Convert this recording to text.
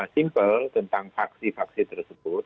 simpel tentang faksi faksi tersebut